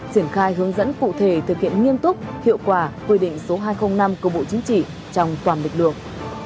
triển khai hướng dẫn cụ thể thực hiện nghiêm túc hiệu quả quy định số hai trăm linh năm của bộ chính trị trong toàn lực lượng